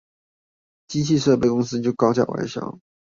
機器設備公司就高價外銷